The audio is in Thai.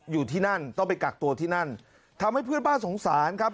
อยู่ที่นั่นต้องไปกักตัวที่นั่นทำให้เพื่อนบ้านสงสารครับ